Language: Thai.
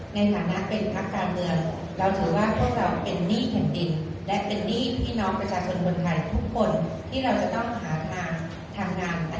ในฐานะเป็นพักการเมืองเราถือว่าพวกเราเป็นหนี้แผ่นดินและเป็นหนี้พี่น้องประชาชนคนไทยทุกคนที่เราจะต้องหาทางทำงาน